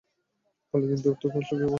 ফলে তিনি অর্থ কষ্টে পড়েন।